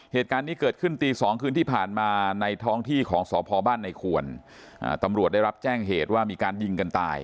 เหตุการณ์นี้เกิดขึ้นตี๒คืนที่ผ่านมาในท้องที่ของสพบ้านในควรตำรวจได้รับแจ้งเหตุว่ามีการยิงกันตาย